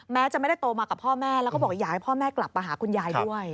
แม้จะไม่ได้โตมากับพ่อแม่แล้วก็บอกอยากให้พ่อแม่กลับมาหาคุณยายด้วย